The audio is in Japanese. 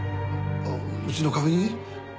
うちの壁に？